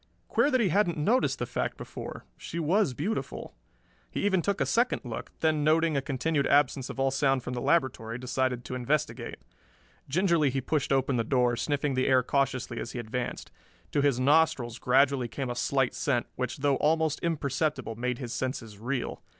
Queer that he hadn't noticed the fact before she was beautiful. He even took a second look, then noting a continued absence of all sound from the laboratory decided to investigate. Gingerly he pushed open the door, sniffing the air cautiously as he advanced. To his nostrils gradually came a slight scent, which though almost imperceptible made his senses reel.